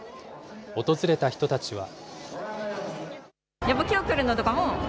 訪れた人たちは。